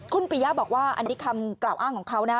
คุณปียะบอกว่าอันนี้คำกล่าวอ้างของเขานะ